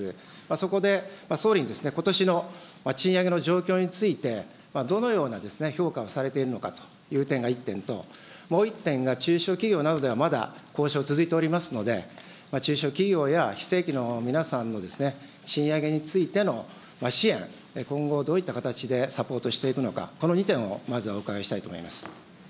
そこで総理にことしの賃上げの状況について、どのような評価をされているのかという点が１点と、もう１点が中小企業などでは、まだ交渉続いておりますので、中小企業や非正規の皆さんの賃上げについての支援、今後どういった形でサポートしていくのか、この２点をまずはお伺いしたいと思います。